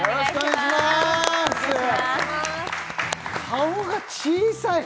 顔が小さい！